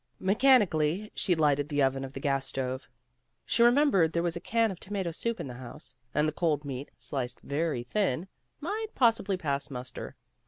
Mechanically she lighted the oven of the gas stove. She remembered there was a can of to mato soup in the house, and the cold meat, sliced very thin, might possibly pass muster.